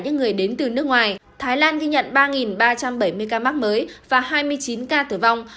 những người đến từ nước ngoài thái lan ghi nhận ba ba trăm bảy mươi ca mắc mới và hai mươi chín ca tử vong